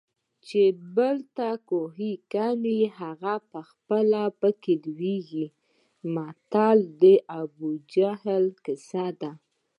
چې بل ته کوهي کني هغه پخپله پکې لویږي متل د ابوجهل کیسه ده